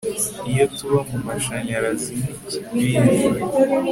Iyo tuba mumashanyarazi nikibindi